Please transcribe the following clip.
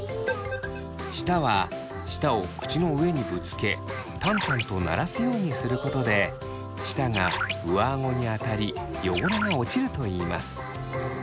舌は舌を口の上にぶつけタンタンと鳴らすようにすることで舌が上あごに当たり汚れが落ちるといいます。